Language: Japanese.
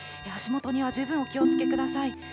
足元には十分お気をつけください。